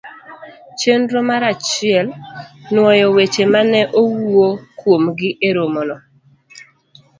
Chenro mar achiel. Nwoyo weche ma ne owuo kuomgi e romono